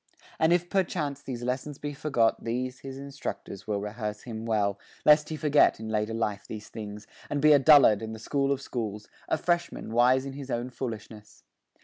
And if perchance these lessons be forgot, These, his instructors, will rehearse him well, Lest he forget in later life these things, And be a dullard in the school of schools, A freshman wise in his own foolishness.